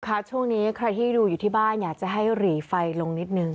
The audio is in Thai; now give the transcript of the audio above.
ช่วงนี้ใครที่ดูอยู่ที่บ้านอยากจะให้หรี่ไฟลงนิดนึง